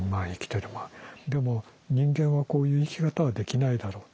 でも人間はこういう生き方はできないだろう。